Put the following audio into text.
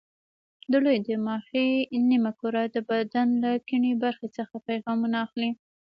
د لوی دماغ ښي نیمه کره د بدن له کیڼې برخې څخه پیغامونه اخلي.